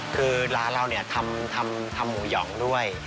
คือร้านเราทำหมูหย่องด้วย